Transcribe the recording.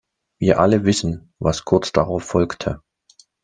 Wir alle wissen, was kurz darauf folgte.